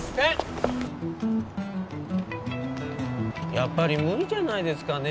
やっぱり無理じゃないですかね